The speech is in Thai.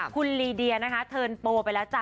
คุณลีเดียนะคะเทิร์นโปรไปแล้วจ้